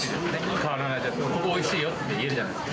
変わらない味だと、ここ、おいしいよって言えるじゃないですか。